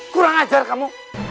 kurang ajar kamu